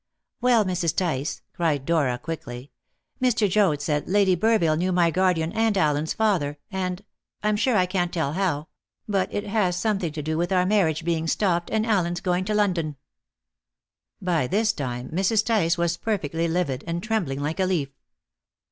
"Well, Mrs. Tice," cried Dora quickly, "Mr. Joad said Lady Burville knew my guardian and Allen's father, and I'm sure I can't tell how but it has something to do with our marriage being stopped and Allen's going to London." By this time Mrs. Tice was perfectly livid, and trembling like a leaf.